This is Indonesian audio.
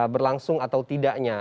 berlangsung atau tidaknya